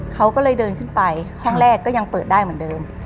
เขาก็เลยเดินขึ้นไปห้องแรกก็ยังเปิดได้เหมือนเดิม